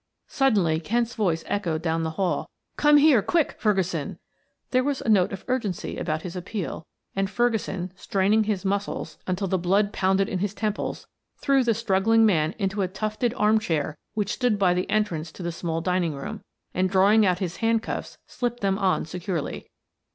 Suddenly Kent's voice echoed down the hall. "Come here quick, Ferguson!" There was a note of urgency about his appeal, and Ferguson straining his muscles until the blood pounded in his temples, threw the struggling man into a tufted arm chair which stood by the entrance to the small dining room, and drawing out his handcuffs, slipped them on securely.